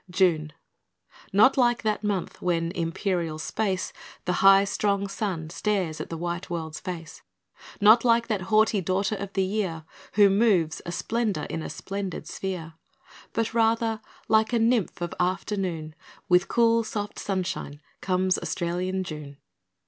June Not like that month when, in imperial space, The high, strong sun stares at the white world's face; Not like that haughty daughter of the year Who moves, a splendour, in a splendid sphere; But rather like a nymph of afternoon, With cool, soft sunshine, comes Australian June.